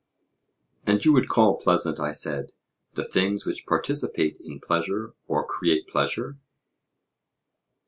And you would call pleasant, I said, the things which participate in pleasure or create pleasure?